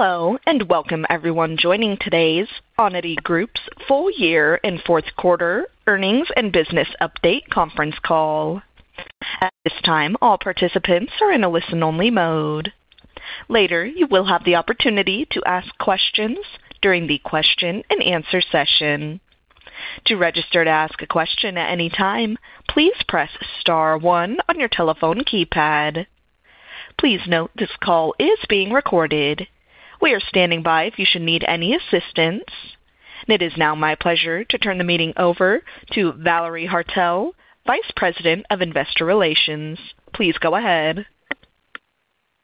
Hello, and welcome everyone joining today's Onity Group's full year and fourth quarter earnings and business update conference call. At this time, all participants are in a listen-only mode. Later, you will have the opportunity to ask questions during the question and answer session. To register to ask a question at any time, please press star one on your telephone keypad. Please note, this call is being recorded. We are standing by if you should need any assistance. It is now my pleasure to turn the meeting over to Valerie Haertel, Vice President of Investor Relations. Please go ahead.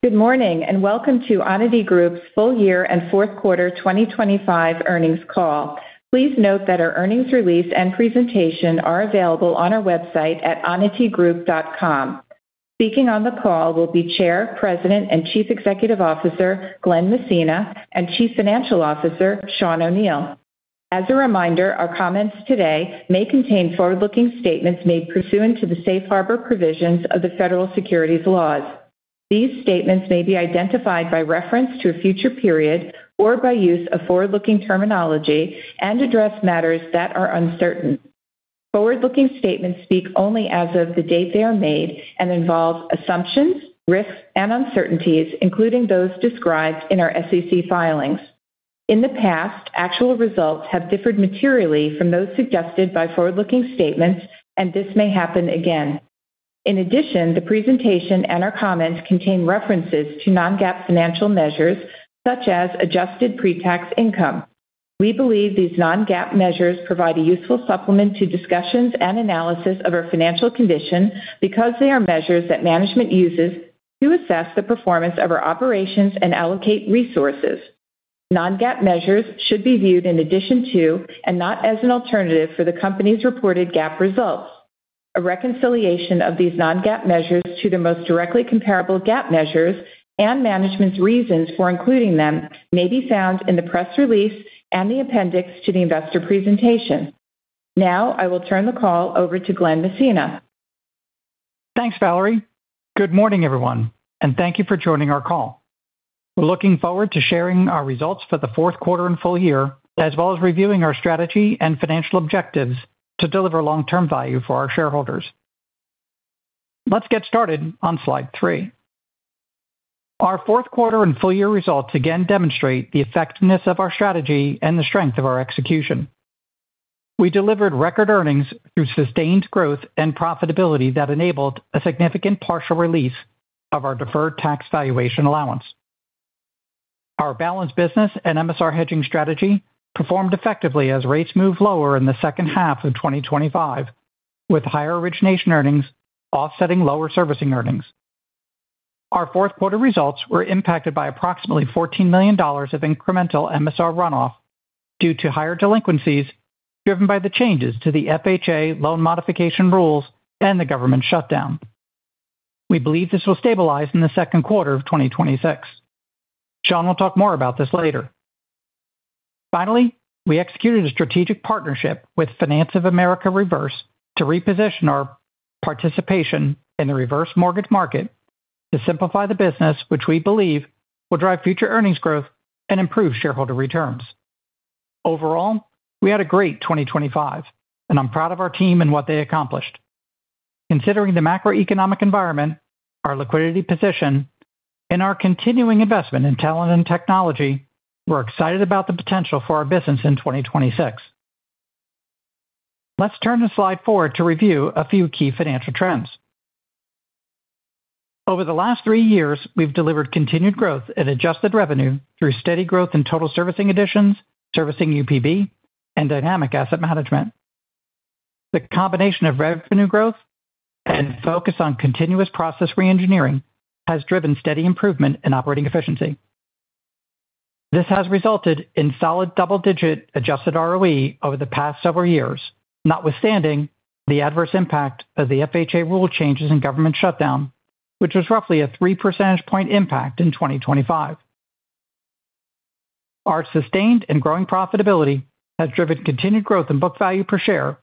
Good morning, and welcome to Onity Group's full year and fourth quarter 2025 earnings call. Please note that our earnings release and presentation are available on our website at onitygroup.com. Speaking on the call will be Chair, President, and Chief Executive Officer, Glen Messina, and Chief Financial Officer, Sean O'Neil. As a reminder, our comments today may contain forward-looking statements made pursuant to the safe harbor provisions of the Federal Securities laws. These statements may be identified by reference to a future period or by use of forward-looking terminology and address matters that are uncertain. Forward-looking statements speak only as of the date they are made and involve assumptions, risks, and uncertainties, including those described in our SEC filings. In the past, actual results have differed materially from those suggested by forward-looking statements, and this may happen again. In addition, the presentation and our comments contain references to non-GAAP financial measures, such as adjusted pre-tax income. We believe these non-GAAP measures provide a useful supplement to discussions and analysis of our financial condition because they are measures that management uses to assess the performance of our operations and allocate resources. Non-GAAP measures should be viewed in addition to, and not as an alternative for, the company's reported GAAP results. A reconciliation of these non-GAAP measures to the most directly comparable GAAP measures and management's reasons for including them may be found in the press release and the appendix to the investor presentation. Now, I will turn the call over to Glen Messina. Thanks, Valerie. Good morning, everyone, and thank you for joining our call. We're looking forward to sharing our results for the fourth quarter and full year, as well as reviewing our strategy and financial objectives to deliver long-term value for our shareholders. Let's get started on slide three. Our fourth quarter and full year results again demonstrate the effectiveness of our strategy and the strength of our execution. We delivered record earnings through sustained growth and profitability that enabled a significant partial release of our deferred tax valuation allowance. Our balanced business and MSR hedging strategy performed effectively as rates moved lower in the second half of 2025, with higher origination earnings offsetting lower servicing earnings. Our fourth quarter results were impacted by approximately $14 million of incremental MSR runoff due to higher delinquencies driven by the changes to the FHA loan modification rules and the government shutdown. We believe this will stabilize in the second quarter of 2026. Sean will talk more about this later. Finally, we executed a strategic partnership with Finance of America Reverse to reposition our participation in the reverse mortgage market to simplify the business, which we believe will drive future earnings growth and improve shareholder returns. Overall, we had a great 2025, and I'm proud of our team and what they accomplished. Considering the macroeconomic environment, our liquidity position, and our continuing investment in talent and technology, we're excited about the potential for our business in 2026. Let's turn to slide four to review a few key financial trends. Over the last three years, we've delivered continued growth in adjusted revenue through steady growth in total servicing additions, servicing UPB, and dynamic asset management. The combination of revenue growth and focus on continuous process reengineering has driven steady improvement in operating efficiency. This has resulted in solid double-digit adjusted ROE over the past several years, notwithstanding the adverse impact of the FHA rule changes in government shutdown, which was roughly a 3 percentage point impact in 2025. Our sustained and growing profitability has driven continued growth in book value per share,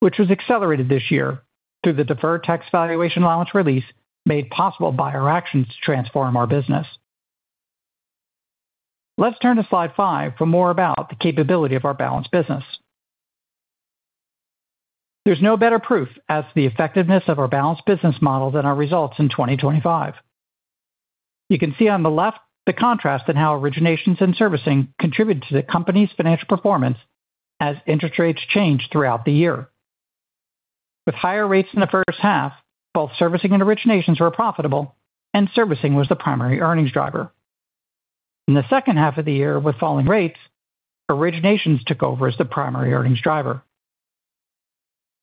which was accelerated this year through the deferred tax valuation allowance release made possible by our actions to transform our business. Let's turn to slide five for more about the capability of our balanced business. There's no better proof as to the effectiveness of our balanced business model than our results in 2025. You can see on the left the contrast in how originations and servicing contributed to the company's financial performance as interest rates changed throughout the year. With higher rates in the first half, both servicing and originations were profitable, and servicing was the primary earnings driver. In the second half of the year, with falling rates, originations took over as the primary earnings driver.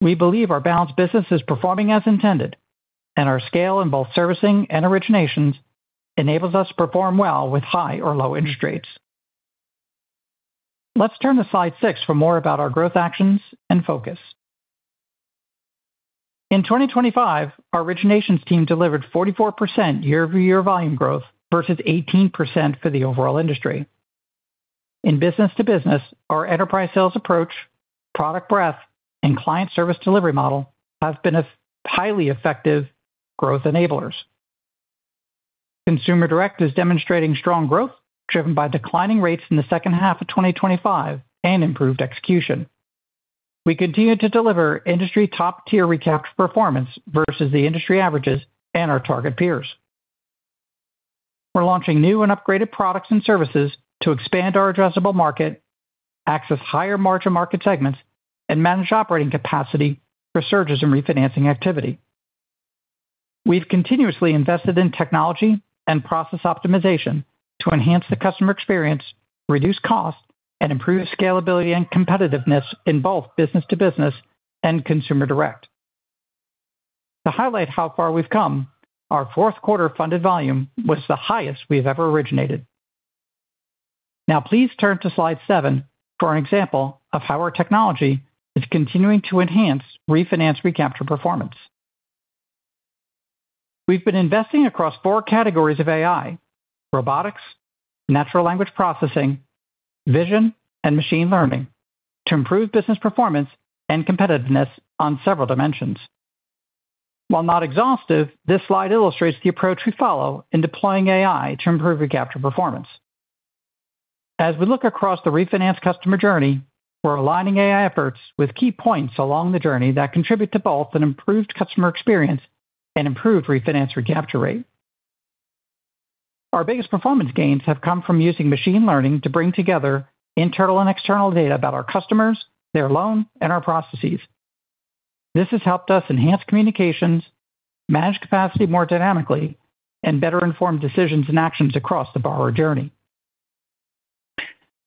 We believe our balanced business is performing as intended, and our scale in both servicing and originations enables us to perform well with high or low interest rates. Let's turn to slide six for more about our growth actions and focus. In 2025, our originations team delivered 44% year-over-year volume growth versus 18% for the overall industry… In business to business, our enterprise sales approach, product breadth, and client service delivery model have been a highly effective growth enablers. Consumer Direct is demonstrating strong growth, driven by declining rates in the second half of 2025 and improved execution. We continue to deliver industry top-tier recapture performance versus the industry averages and our target peers. We're launching new and upgraded products and services to expand our addressable market, access higher margin market segments, and manage operating capacity for surges in refinancing activity. We've continuously invested in technology and process optimization to enhance the customer experience, reduce costs, and improve scalability and competitiveness in both business to business and Consumer Direct. To highlight how far we've come, our fourth quarter funded volume was the highest we've ever originated. Now, please turn to slide seven for an example of how our technology is continuing to enhance refinance recapture performance. We've been investing across four categories of AI: robotics, natural language processing, vision, and machine learning to improve business performance and competitiveness on several dimensions. While not exhaustive, this slide illustrates the approach we follow in deploying AI to improve recapture performance. As we look across the refinance customer journey, we're aligning AI efforts with key points along the journey that contribute to both an improved customer experience and improved refinance recapture rate. Our biggest performance gains have come from using machine learning to bring together internal and external data about our customers, their loan, and our processes. This has helped us enhance communications, manage capacity more dynamically, and better inform decisions and actions across the borrower journey.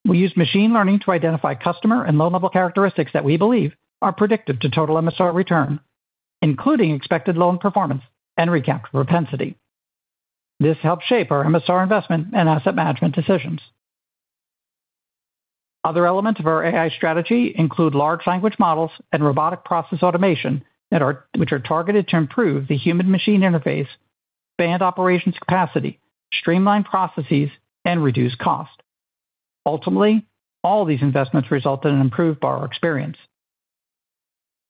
We use machine learning to identify customer and loan-level characteristics that we believe are predictive to total MSR return, including expected loan performance and recapture propensity. This helps shape our MSR investment and asset management decisions. Other elements of our AI strategy include large language models and robotic process automation that are targeted to improve the human machine interface, expand operations capacity, streamline processes, and reduce cost. Ultimately, all these investments result in an improved borrower experience.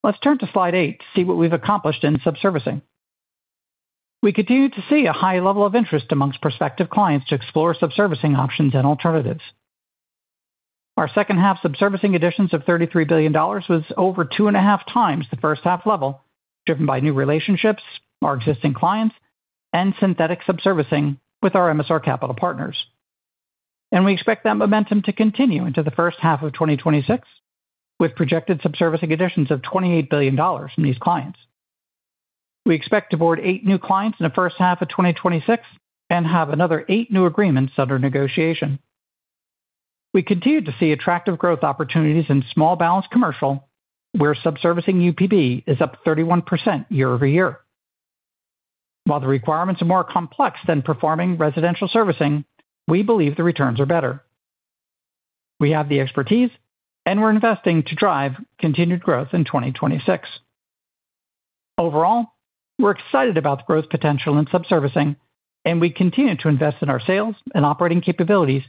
Let's turn to slide eight to see what we've accomplished in subservicing. We continue to see a high level of interest among prospective clients to explore subservicing options and alternatives. Our second half subservicing additions of $33 billion was over 2.5 times the first half level, driven by new relationships, our existing clients, and synthetic subservicing with our MSR capital partners. We expect that momentum to continue into the first half of 2026, with projected subservicing additions of $28 billion from these clients. We expect to board eight new clients in the first half of 2026 and have another eight new agreements under negotiation. We continue to see attractive growth opportunities in small balance commercial, where subservicing UPB is up 31% year-over-year. While the requirements are more complex than performing residential servicing, we believe the returns are better. We have the expertise, and we're investing to drive continued growth in 2026. Overall, we're excited about the growth potential in subservicing, and we continue to invest in our sales and operating capabilities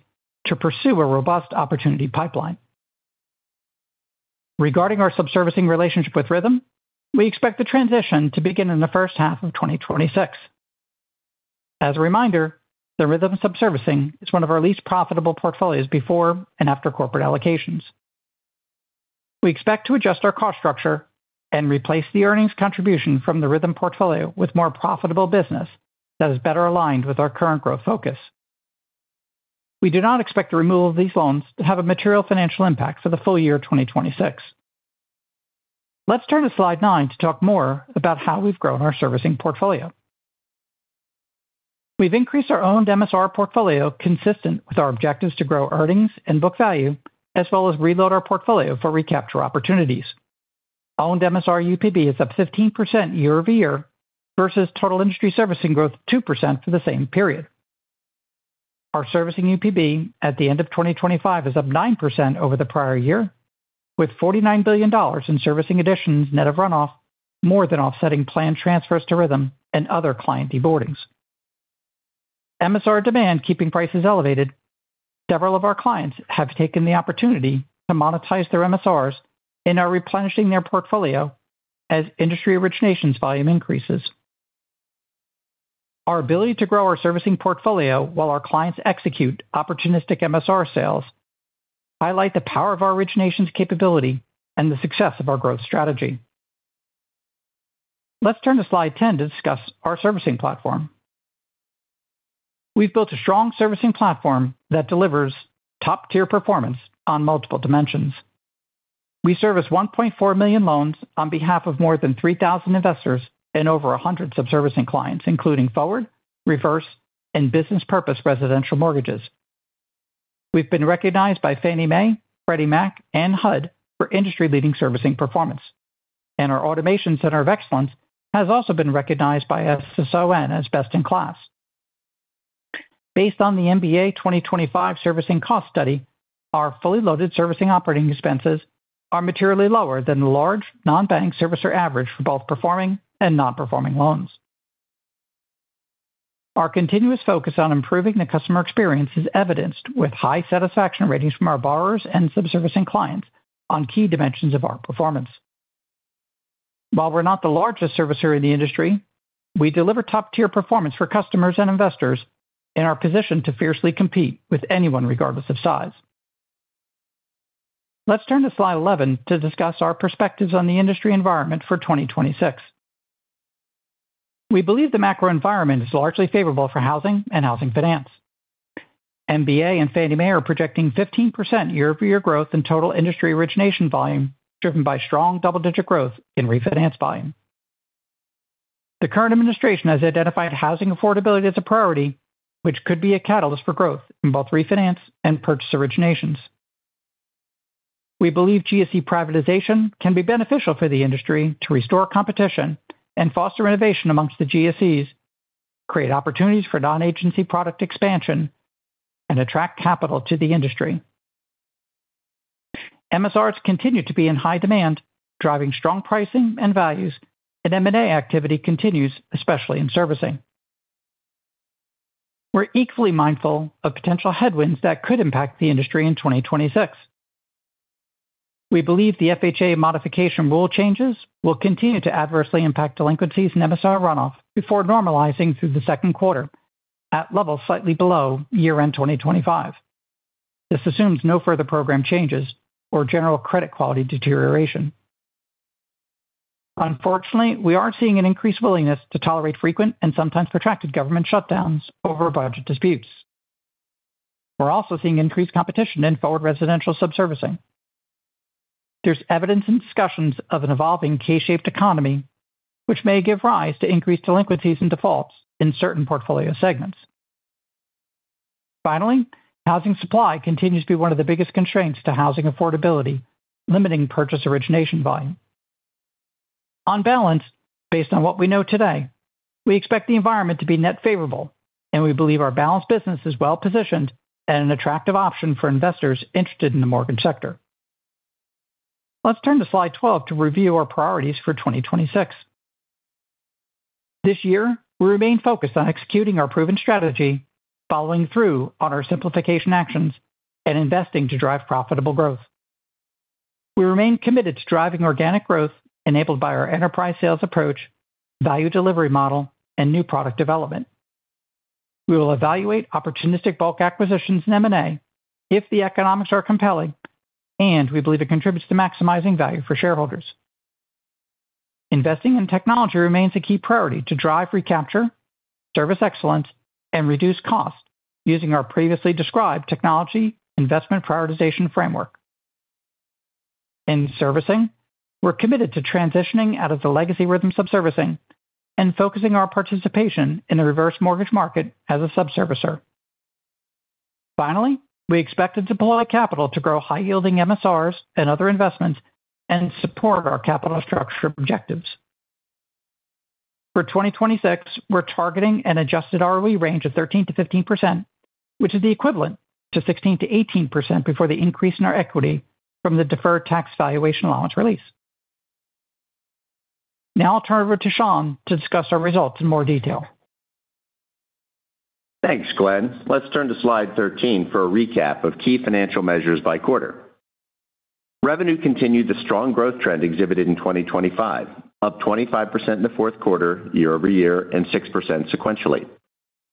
to pursue a robust opportunity pipeline. Regarding our subservicing relationship with Rithm, we expect the transition to begin in the first half of 2026. As a reminder, the Rithm subservicing is one of our least profitable portfolios before and after corporate allocations. We expect to adjust our cost structure and replace the earnings contribution from the Rithm portfolio with more profitable business that is better aligned with our current growth focus. We do not expect the removal of these loans to have a material financial impact for the full year of 2026. Let's turn to slide nine to talk more about how we've grown our servicing portfolio. We've increased our owned MSR portfolio, consistent with our objectives to grow earnings and book value, as well as reload our portfolio for recapture opportunities. Owned MSR UPB is up 15% year-over-year versus total industry servicing growth of 2% for the same period. Our servicing UPB at the end of 2025 is up 9% over the prior year, with $49 billion in servicing additions net of runoff, more than offsetting planned transfers to Rithm and other client deboardings. MSR demand keeping prices elevated. Several of our clients have taken the opportunity to monetize their MSRs and are replenishing their portfolio as industry originations volume increases. Our ability to grow our servicing portfolio while our clients execute opportunistic MSR sales, highlight the power of our originations capability and the success of our growth strategy. Let's turn to slide 10 to discuss our servicing platform. We've built a strong servicing platform that delivers top-tier performance on multiple dimensions. We service 1.4 million loans on behalf of more than 3,000 investors and over 100 subservicing clients, including forward, reverse, and business purpose residential mortgages. We've been recognized by Fannie Mae, Freddie Mac, and HUD for industry-leading servicing performance, and our automation center of excellence has also been recognized by SSON as best in class. Based on the MBA 2025 servicing cost study, our fully loaded servicing operating expenses are materially lower than the large non-bank servicer average for both performing and non-performing loans. Our continuous focus on improving the customer experience is evidenced with high satisfaction ratings from our borrowers and subservicing clients on key dimensions of our performance. While we're not the largest servicer in the industry, we deliver top-tier performance for customers and investors and are positioned to fiercely compete with anyone, regardless of size. Let's turn to slide 11 to discuss our perspectives on the industry environment for 2026. We believe the macro environment is largely favorable for housing and housing finance. MBA and Fannie Mae are projecting 15% year-over-year growth in total industry origination volume, driven by strong double-digit growth in refinance volume. The current administration has identified housing affordability as a priority, which could be a catalyst for growth in both refinance and purchase originations. We believe GSE privatization can be beneficial for the industry to restore competition and foster innovation among the GSEs, create opportunities for non-agency product expansion, and attract capital to the industry. MSRs continue to be in high demand, driving strong pricing and values, and M&A activity continues, especially in servicing. We're equally mindful of potential headwinds that could impact the industry in 2026. We believe the FHA modification rule changes will continue to adversely impact delinquencies and MSR runoff before normalizing through the second quarter at levels slightly below year-end 2025. This assumes no further program changes or general credit quality deterioration. Unfortunately, we are seeing an increased willingness to tolerate frequent and sometimes protracted government shutdowns over budget disputes. We're also seeing increased competition in forward residential subservicing. There's evidence and discussions of an evolving K-shaped economy, which may give rise to increased delinquencies and defaults in certain portfolio segments. Finally, housing supply continues to be one of the biggest constraints to housing affordability, limiting purchase origination volume. On balance, based on what we know today, we expect the environment to be net favorable, and we believe our balanced business is well positioned and an attractive option for investors interested in the mortgage sector. Let's turn to slide 12 to review our priorities for 2026. This year, we remain focused on executing our proven strategy, following through on our simplification actions, and investing to drive profitable growth. We remain committed to driving organic growth enabled by our enterprise sales approach, value delivery model, and new product development. We will evaluate opportunistic bulk acquisitions in M&A if the economics are compelling and we believe it contributes to maximizing value for shareholders. Investing in technology remains a key priority to drive recapture, service excellence, and reduce costs using our previously described technology investment prioritization framework. In servicing, we're committed to transitioning out of the legacy Rithm subservicing and focusing our participation in the reverse mortgage market as a subservicer. Finally, we expect to deploy capital to grow high-yielding MSRs and other investments and support our capital structure objectives. For 2026, we're targeting an adjusted ROE range of 13%-15%, which is the equivalent to 16%-18% before the increase in our equity from the deferred tax valuation allowance release. Now I'll turn it over to Sean to discuss our results in more detail. Thanks, Glen. Let's turn to slide 13 for a recap of key financial measures by quarter. Revenue continued the strong growth trend exhibited in 2025, up 25% in the fourth quarter year-over-year and 6% sequentially.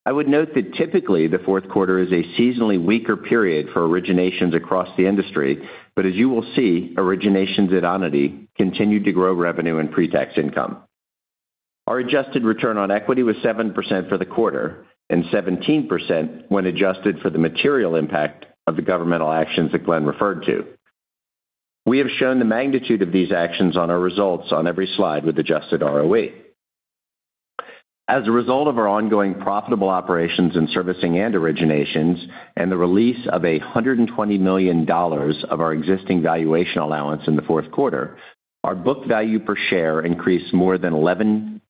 I would note that typically, the fourth quarter is a seasonally weaker period for originations across the industry, but as you will see, originations at Onity continued to grow revenue and pre-tax income. Our adjusted return on equity was 7% for the quarter and 17% when adjusted for the material impact of the governmental actions that Glen referred to. We have shown the magnitude of these actions on our results on every slide with adjusted ROE. As a result of our ongoing profitable operations in servicing and originations and the release of $120 million of our existing valuation allowance in the fourth quarter, our book value per share increased more than $11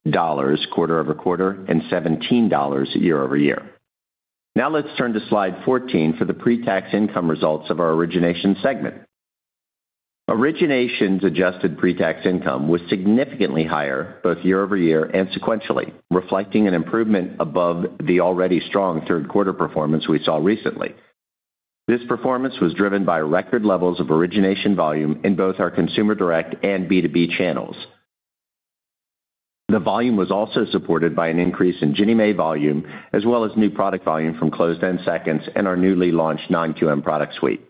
quarter over quarter and $17 year over year. Now let's turn to slide 14 for the pre-tax income results of our origination segment. Originations adjusted pre-tax income was significantly higher both year over year and sequentially, reflecting an improvement above the already strong third quarter performance we saw recently. This performance was driven by record levels of origination volume in both our Consumer Direct and B2B channels. The volume was also supported by an increase in Ginnie Mae volume, as well as new product volume from closed-end seconds and our newly launched non-QM product suite.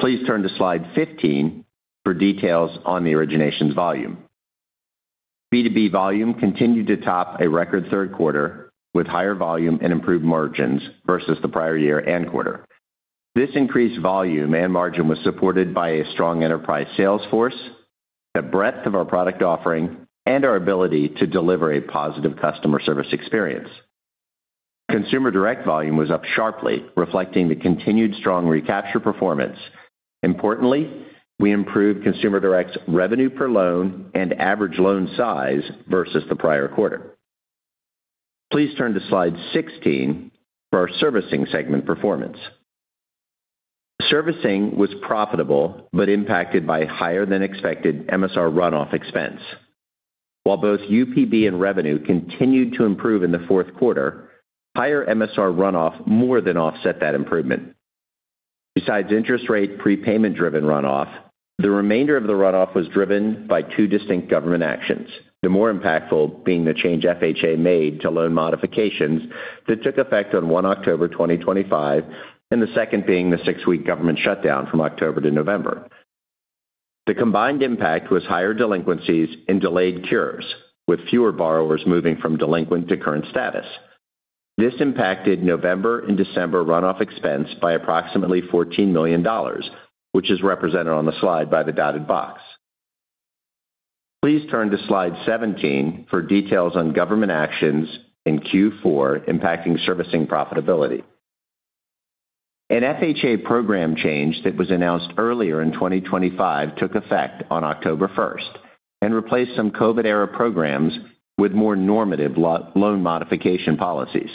Please turn to slide 15 for details on the originations volume. B2B volume continued to top a record third quarter, with higher volume and improved margins versus the prior year and quarter. This increased volume and margin was supported by a strong enterprise sales force, the breadth of our product offering, and our ability to deliver a positive customer service experience. Consumer Direct volume was up sharply, reflecting the continued strong recapture performance. Importantly, we improved Consumer Direct's revenue per loan and average loan size versus the prior quarter. Please turn to slide 16 for our servicing segment performance. Servicing was profitable, but impacted by higher than expected MSR runoff expense. While both UPB and revenue continued to improve in the fourth quarter, higher MSR runoff more than offset that improvement. Besides interest rate prepayment-driven runoff, the remainder of the runoff was driven by two distinct government actions, the more impactful being the change FHA made to loan modifications that took effect on October 1, 2025, and the second being the six-week government shutdown from October to November. The combined impact was higher delinquencies and delayed cures, with fewer borrowers moving from delinquent to current status. This impacted November and December runoff expense by approximately $14 million, which is represented on the slide by the dotted box. Please turn to Slide 17 for details on government actions in Q4 impacting servicing profitability. An FHA program change that was announced earlier in 2025 took effect on October 1 and replaced some COVID-era programs with more normative loan modification policies.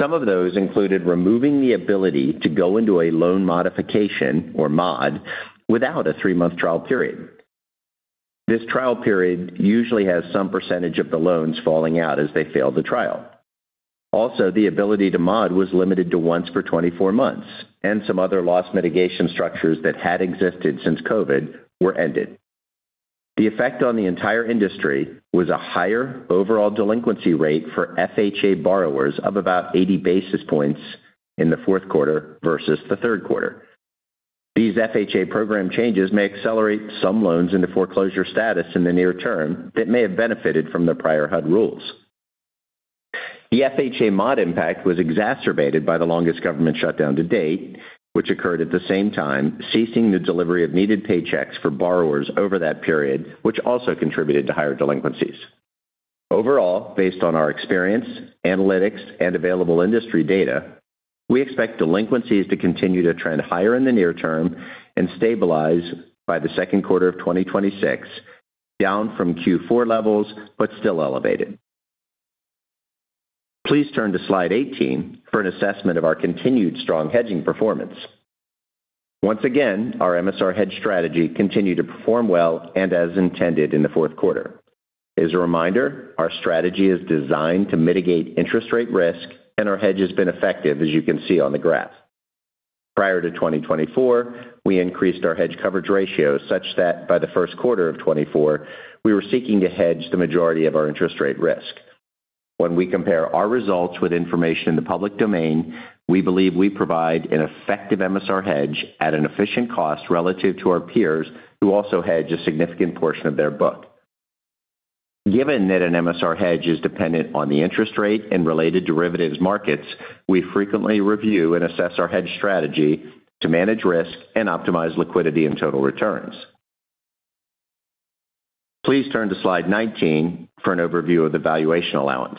Some of those included removing the ability to go into a loan modification, or mod, without a three-month trial period. This trial period usually has some percentage of the loans falling out as they fail the trial. Also, the ability to mod was limited to once per 24 months, and some other loss mitigation structures that had existed since COVID were ended. The effect on the entire industry was a higher overall delinquency rate for FHA borrowers of about 80 basis points in the fourth quarter versus the third quarter. These FHA program changes may accelerate some loans into foreclosure status in the near term that may have benefited from the prior HUD rules. The FHA mod impact was exacerbated by the longest government shutdown to date, which occurred at the same time, ceasing the delivery of needed paychecks for borrowers over that period, which also contributed to higher delinquencies. Overall, based on our experience, analytics, and available industry data, we expect delinquencies to continue to trend higher in the near term and stabilize by the second quarter of 2026, down from Q4 levels, but still elevated. Please turn to Slide 18 for an assessment of our continued strong hedging performance. Once again, our MSR hedge strategy continued to perform well and as intended in the fourth quarter. As a reminder, our strategy is designed to mitigate interest rate risk, and our hedge has been effective, as you can see on the graph. Prior to 2024, we increased our hedge coverage ratio such that by the first quarter of 2024, we were seeking to hedge the majority of our interest rate risk. When we compare our results with information in the public domain, we believe we provide an effective MSR hedge at an efficient cost relative to our peers, who also hedge a significant portion of their book. Given that an MSR hedge is dependent on the interest rate and related derivatives markets, we frequently review and assess our hedge strategy to manage risk and optimize liquidity and total returns. Please turn to Slide 19 for an overview of the valuation allowance.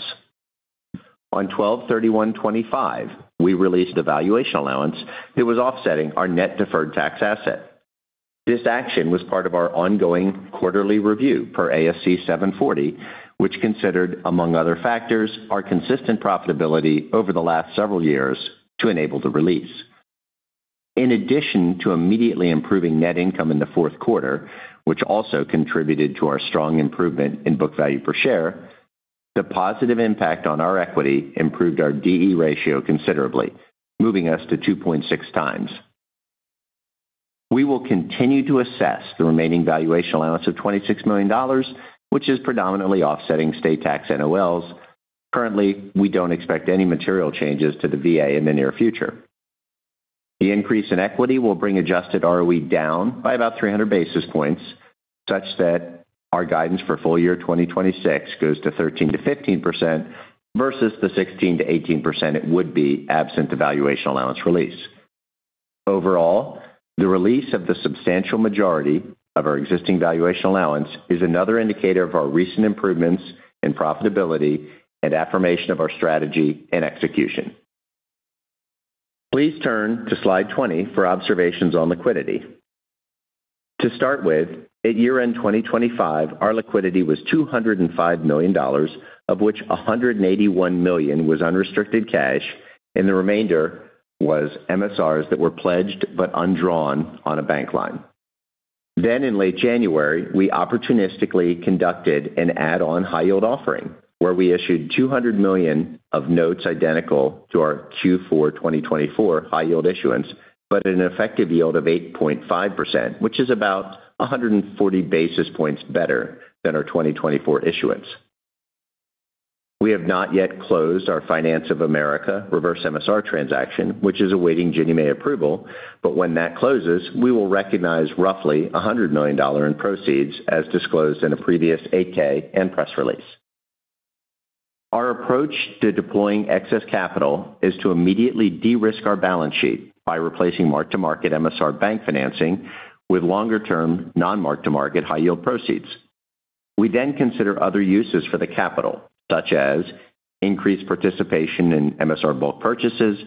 On 12/31/2025, we released a valuation allowance that was offsetting our net deferred tax asset. This action was part of our ongoing quarterly review per ASC 740, which considered, among other factors, our consistent profitability over the last several years to enable the release. In addition to immediately improving net income in the fourth quarter, which also contributed to our strong improvement in book value per share, the positive impact on our equity improved our DE ratio considerably, moving us to 2.6 times. We will continue to assess the remaining valuation allowance of $26 million, which is predominantly offsetting state tax NOLs. Currently, we don't expect any material changes to the VA in the near future. The increase in equity will bring adjusted ROE down by about 300 basis points, such that our guidance for full year 2026 goes to 13%-15% versus the 16%-18% it would be absent the valuation allowance release. Overall, the release of the substantial majority of our existing valuation allowance is another indicator of our recent improvements in profitability and affirmation of our strategy and execution. Please turn to Slide 20 for observations on liquidity. To start with, at year-end 2025, our liquidity was $205 million, of which $181 million was unrestricted cash, and the remainder was MSRs that were pledged but undrawn on a bank line. Then in late January, we opportunistically conducted an add-on high-yield offering, where we issued $200 million of notes identical to our Q4 2024 high-yield issuance, but at an effective yield of 8.5%, which is about 140 basis points better than our 2024 issuance. We have not yet closed our Finance of America Reverse MSR transaction, which is awaiting Ginnie Mae approval. But when that closes, we will recognize roughly $100 million in proceeds, as disclosed in a previous 8-K and press release. Our approach to deploying excess capital is to immediately de-risk our balance sheet by replacing mark-to-market MSR bank financing with longer-term, non-mark-to-market high-yield proceeds. We then consider other uses for the capital, such as increased participation in MSR bulk purchases,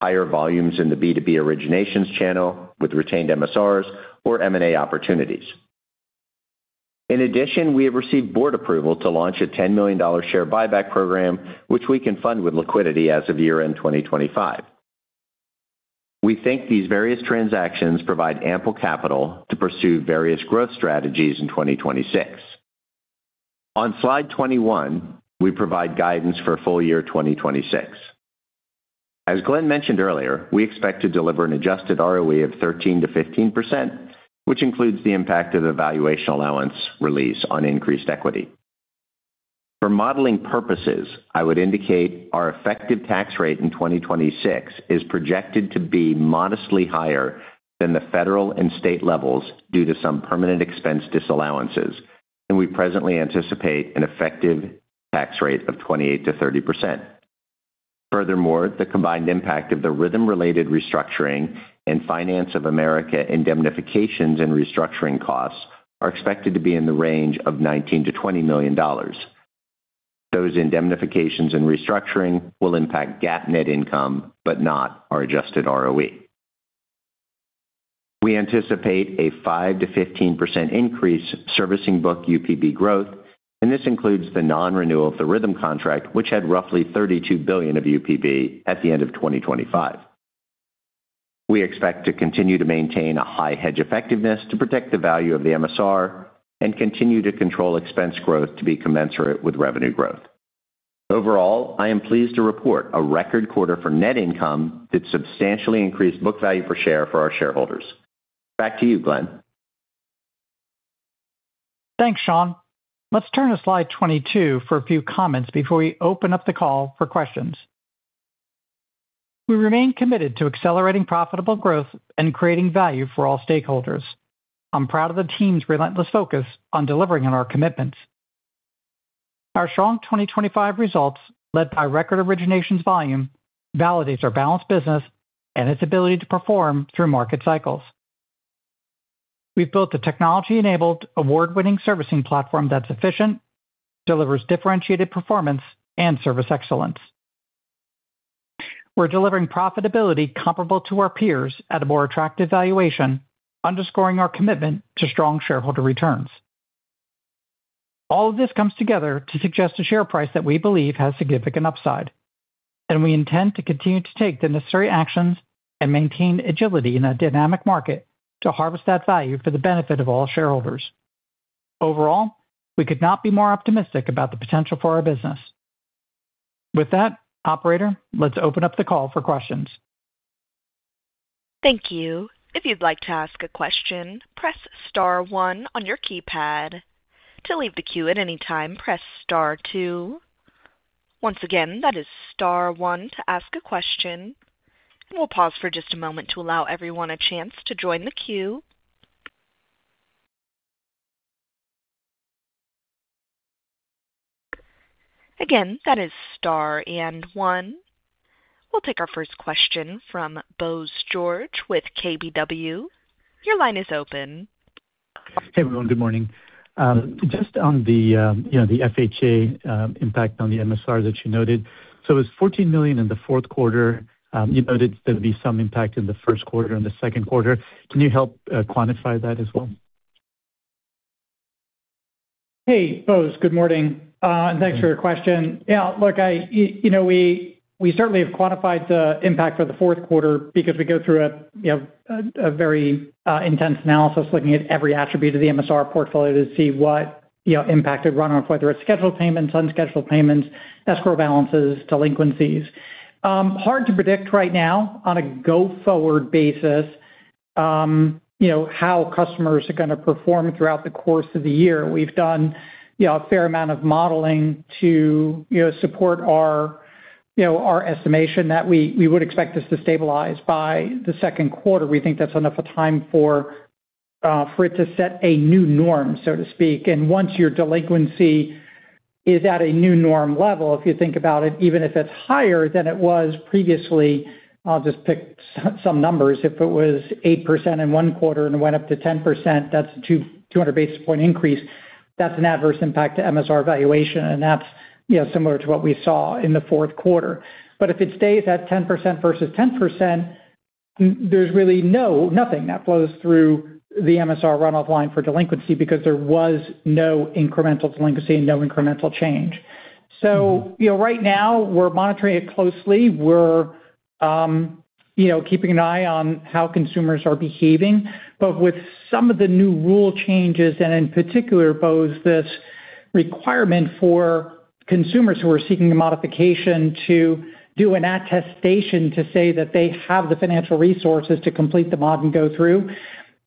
higher volumes in the B2B originations channel with retained MSRs, or M&A opportunities. In addition, we have received board approval to launch a $10 million share buyback program, which we can fund with liquidity as of year-end 2025. We think these various transactions provide ample capital to pursue various growth strategies in 2026. On slide 21, we provide guidance for full year 2026. As Glen mentioned earlier, we expect to deliver an adjusted ROE of 13%-15%, which includes the impact of the valuation allowance release on increased equity. For modeling purposes, I would indicate our effective tax rate in 2026 is projected to be modestly higher than the federal and state levels due to some permanent expense disallowances, and we presently anticipate an effective tax rate of 28%-30%. Furthermore, the combined impact of the Rithm-related restructuring and Finance of America indemnifications and restructuring costs are expected to be in the range of $19 million-$20 million. Those indemnifications and restructuring will impact GAAP net income, but not our adjusted ROE. We anticipate a 5%-15% increase servicing book UPB growth, and this includes the non-renewal of the Rithm contract, which had roughly $32 billion of UPB at the end of 2025. We expect to continue to maintain a high hedge effectiveness to protect the value of the MSR and continue to control expense growth to be commensurate with revenue growth. Overall, I am pleased to report a record quarter for net income that substantially increased book value per share for our shareholders. Back to you, Glen. Thanks, Sean. Let's turn to slide 22 for a few comments before we open up the call for questions. We remain committed to accelerating profitable growth and creating value for all stakeholders. I'm proud of the team's relentless focus on delivering on our commitments. Our strong 2025 results, led by record originations volume, validates our balanced business and its ability to perform through market cycles. We've built a technology-enabled, award-winning servicing platform that's efficient, delivers differentiated performance and service excellence. We're delivering profitability comparable to our peers at a more attractive valuation, underscoring our commitment to strong shareholder returns. All of this comes together to suggest a share price that we believe has significant upside, and we intend to continue to take the necessary actions and maintain agility in a dynamic market to harvest that value for the benefit of all shareholders. Overall, we could not be more optimistic about the potential for our business. With that, operator, let's open up the call for questions. Thank you. If you'd like to ask a question, press star one on your keypad. To leave the queue at any time, press star two. Once again, that is star one to ask a question. We'll pause for just a moment to allow everyone a chance to join the queue. Again, that is star and one. We'll take our first question from Bose George with KBW. Your line is open. Hey, everyone. Good morning. Just on the, you know, the FHA impact on the MSR that you noted. So it was $14 million in the fourth quarter. You noted there'd be some impact in the first quarter and the second quarter. Can you help quantify that as well? Hey, Bose, good morning. And thanks for your question. Yeah, look, you know, we certainly have quantified the impact for the fourth quarter because we go through a you know, a very intense analysis, looking at every attribute of the MSR portfolio to see what impact or runoff, whether it's scheduled payments, unscheduled payments, escrow balances, delinquencies. Hard to predict right now on a go-forward basis, you know, how customers are gonna perform throughout the course of the year. We've done a fair amount of modeling to support our estimation that we would expect this to stabilize by the second quarter. We think that's enough time for it to set a new norm, so to speak. And once your delinquency is at a new norm level, if you think about it, even if it's higher than it was previously, I'll just pick some numbers. If it was 8% in one quarter and went up to 10%, that's a 200 basis point increase. That's an adverse impact to MSR valuation, and that's, you know, similar to what we saw in the fourth quarter. But if it stays at 10% versus 10%, there's really nothing that flows through the MSR runoff line for delinquency because there was no incremental delinquency and no incremental change. So, you know, right now we're monitoring it closely. We're, you know, keeping an eye on how consumers are behaving. But with some of the new rule changes, and in particular, Bose, this requirement for consumers who are seeking a modification to do an attestation to say that they have the financial resources to complete the mod and go through,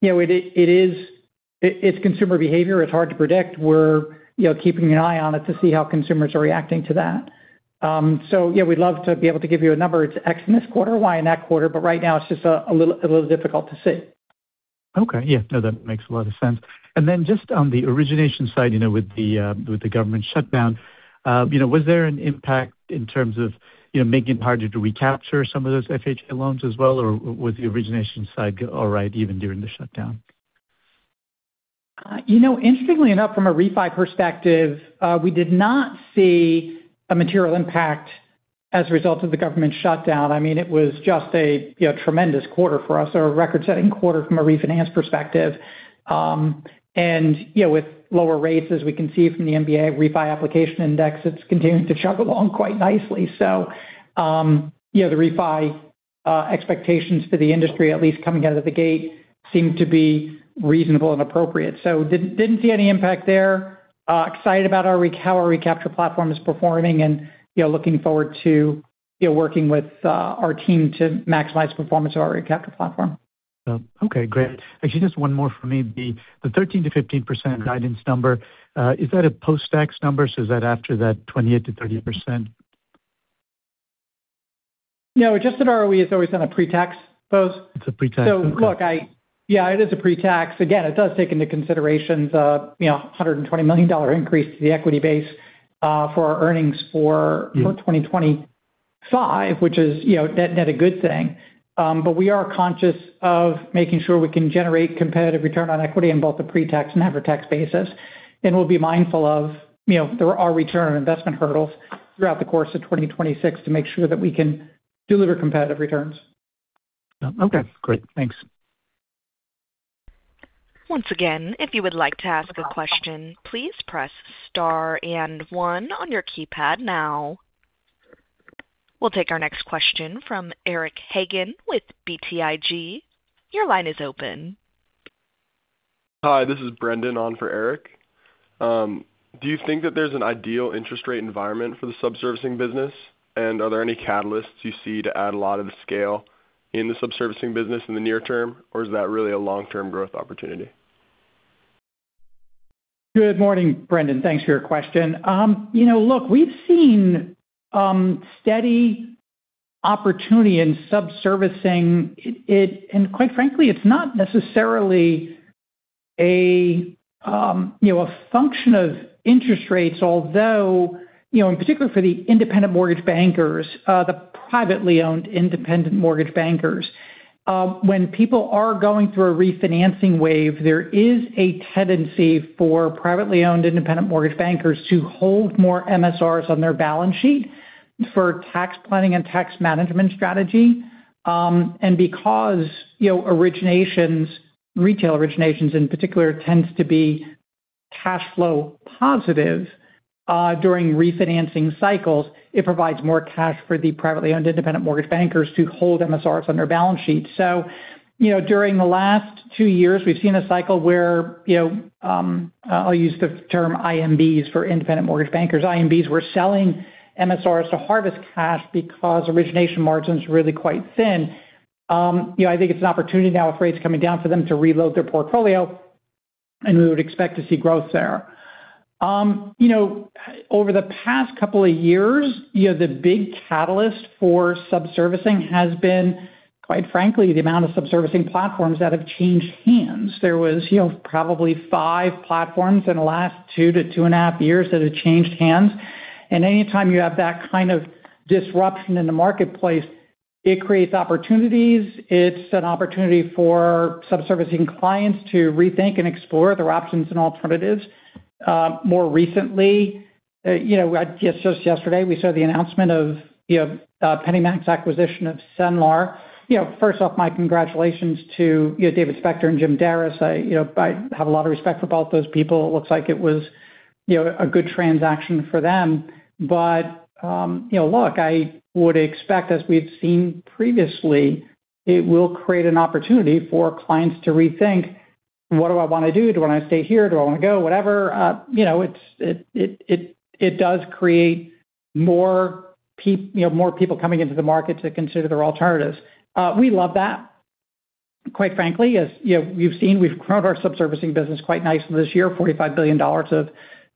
you know, it is – it's consumer behavior. It's hard to predict. We're, you know, keeping an eye on it to see how consumers are reacting to that. So yeah, we'd love to be able to give you a number. It's X in this quarter, Y in that quarter, but right now it's just a little difficult to see. Okay. Yeah, no, that makes a lot of sense. And then just on the origination side, you know, with the government shutdown, you know, was there an impact in terms of, you know, making it harder to recapture some of those FHA loans as well? Or was the origination side all right, even during the shutdown? You know, interestingly enough, from a refi perspective, we did not see a material impact as a result of the government shutdown. I mean, it was just a, you know, tremendous quarter for us, or a record-setting quarter from a refinance perspective. And, you know, with lower rates, as we can see from the MBA refi application index, it's continuing to chug along quite nicely. So, you know, the refi expectations for the industry, at least coming out of the gate, seem to be reasonable and appropriate. So didn't see any impact there. Excited about how our recapture platform is performing and, you know, looking forward to, you know, working with our team to maximize performance of our recapture platform. Okay, great. Actually, just one more for me, the 13%-15% guidance number, is that a post-tax number, so is that after that 28%-30%? No, just at ROE, it's always on a pre-tax, post. It's a pre-tax. So look, yeah, it is pre-tax. Again, it does take into consideration the, you know, $120 million increase to the equity base for our earnings for- Mm-hmm. 2025, which is, you know, net, net a good thing. But we are conscious of making sure we can generate competitive return on equity in both the pre-tax and after-tax basis. And we'll be mindful of, you know, there are return on investment hurdles throughout the course of 2026 to make sure that we can deliver competitive returns. Okay, great. Thanks. Once again, if you would like to ask a question, please press star and one on your keypad now. We'll take our next question from Eric Hagen with BTIG. Your line is open. Hi, this is Brendan on for Eric. Do you think that there's an ideal interest rate environment for the subservicing business? And are there any catalysts you see to add a lot of the scale in the subservicing business in the near term, or is that really a long-term growth opportunity? Good morning, Brendan. Thanks for your question. You know, look, we've seen steady opportunity in subservicing. And quite frankly, it's not necessarily a function of interest rates. Although, you know, in particular for the independent mortgage bankers, the privately owned independent mortgage bankers, when people are going through a refinancing wave, there is a tendency for privately owned independent mortgage bankers to hold more MSRs on their balance sheet for tax planning and tax management strategy. And because, you know, originations, retail originations in particular, tends to be cash flow positive during refinancing cycles, it provides more cash for the privately owned independent mortgage bankers to hold MSRs on their balance sheet. So, you know, during the last two years, we've seen a cycle where, you know, I'll use the term IMBs for independent mortgage bankers. IMBs were selling MSRs to harvest cash because origination margins are really quite thin. You know, I think it's an opportunity now with rates coming down for them to reload their portfolio, and we would expect to see growth there. You know, over the past couple of years, you know, the big catalyst for subservicing has been, quite frankly, the amount of subservicing platforms that have changed hands. There was, you know, probably five platforms in the last 2-2.5 years that have changed hands. Anytime you have that kind of disruption in the marketplace, it creates opportunities. It's an opportunity for subservicing clients to rethink and explore their options and alternatives. More recently, you know, just yesterday, we saw the announcement of, you know, PennyMac's acquisition of Cenlar. You know, first off, my congratulations to, you know, David Spector and Jim Daras. I, you know, I have a lot of respect for both those people. It looks like it was, you know, a good transaction for them. But, you know, look, I would expect, as we've seen previously, it will create an opportunity for clients to rethink, what do I want to do? Do I want to stay here? Do I want to go, whatever? You know, it does create more people coming into the market to consider their alternatives. We love that. Quite frankly, as, you know, we've seen, we've grown our subservicing business quite nicely this year,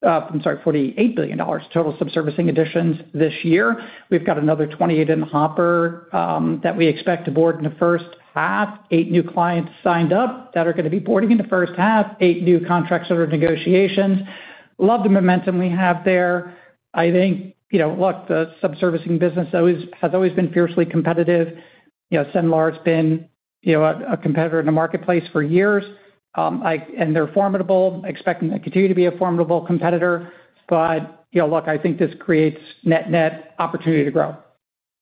$48 billion total subservicing additions this year. We've got another 28 in the hopper that we expect to board in the first half. Eight new clients signed up that are going to be boarding in the first half, eight new contracts that are negotiations. Love the momentum we have there. I think, you know, look, the subservicing business always has always been fiercely competitive. You know, Cenlar has been, you know, a competitor in the marketplace for years. And they're formidable, expecting to continue to be a formidable competitor. But, you know, look, I think this creates net-net opportunity to grow.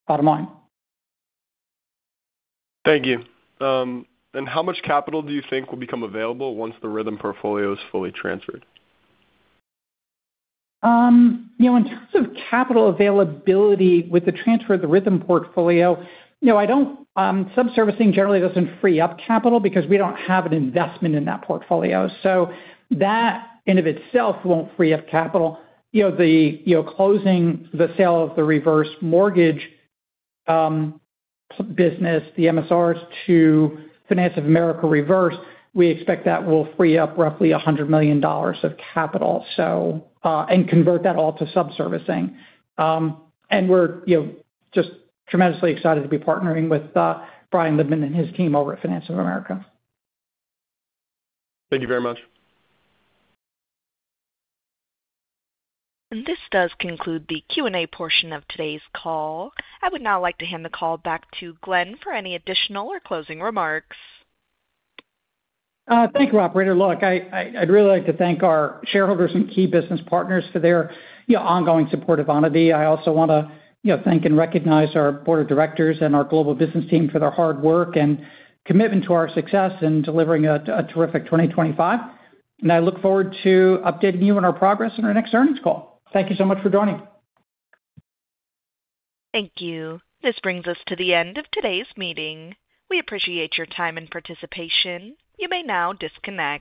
Bottom line. Thank you. How much capital do you think will become available once the Rithm portfolio is fully transferred? You know, in terms of capital availability with the transfer of the Rithm portfolio, you know, I don't, subservicing generally doesn't free up capital because we don't have an investment in that portfolio. So that in and of itself won't free up capital. You know, the closing of the sale of the reverse mortgage business, the MSRs to Finance of America Reverse, we expect that will free up roughly $100 million of capital. So, and convert that all to subservicing. And we're, you know, just tremendously excited to be partnering with, Brian Libman and his team over at Finance of America. Thank you very much. This does conclude the Q&A portion of today's call. I would now like to hand the call back to Glen for any additional or closing remarks. Thank you, Operator. Look, I'd really like to thank our shareholders and key business partners for their, you know, ongoing support of Onity. I also want to, you know, thank and recognize our board of directors and our global business team for their hard work and commitment to our success in delivering a terrific 2025. I look forward to updating you on our progress in our next earnings call. Thank you so much for joining. Thank you. This brings us to the end of today's meeting. We appreciate your time and participation. You may now disconnect.